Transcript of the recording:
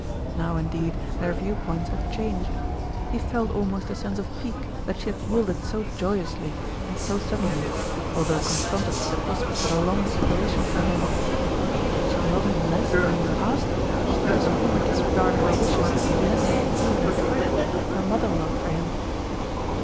Now, indeed, their viewpoints had changed. He felt almost a sense of pique that she had yielded so joyously and so suddenly, although confronted with the prospect of a long separation from him. Did she love him less than in the past? Had his former disregard of her wishes lessened even a trifle her mother love for him?